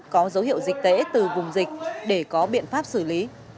có dấu hiệu dịch tễ từ vùng dịch để có biện pháp xử lý